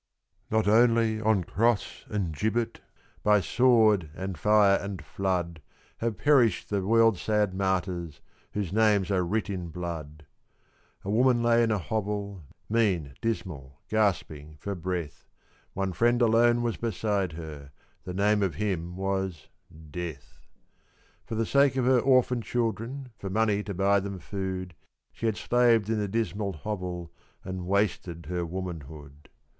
_) Not only on cross and gibbet, By sword, and fire, and flood, Have perished the world's sad martyrs Whose names are writ in blood. A woman lay in a hovel Mean, dismal, gasping for breath; One friend alone was beside her: The name of him was Death. For the sake of her orphan children, For money to buy them food, She had slaved in the dismal hovel And wasted her womanhood.